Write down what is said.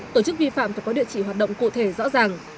tổ chức vi phạm phải có địa chỉ hoạt động cụ thể rõ ràng